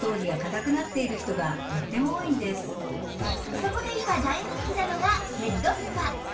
そこで今大人気なのがヘッドスパ